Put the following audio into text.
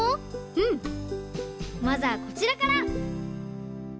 まずはこちらから！